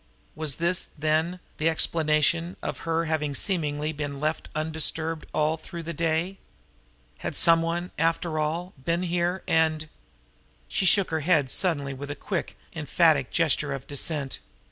Was this, then, the explanation of her having seemingly been left undisturbed here all through the day? Had some one, after all, been here, and ? She shook her head suddenly with a quick, emphatic gesture of dissent.